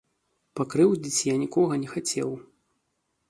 Пакрыўдзіць я нікога не хацеў.